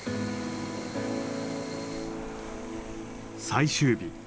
最終日。